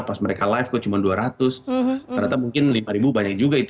pas mereka live kok cuma dua ratus ternyata mungkin lima ribu banyak juga itu